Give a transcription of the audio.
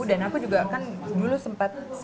dan aku juga kan dulu sempat